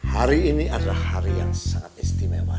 hari ini adalah hari yang sangat istimewa